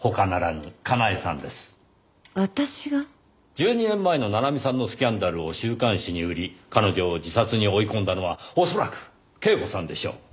１２年前の七海さんのスキャンダルを週刊誌に売り彼女を自殺に追い込んだのは恐らく恵子さんでしょう。